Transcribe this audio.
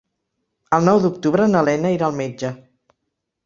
El nou d'octubre na Lena irà al metge.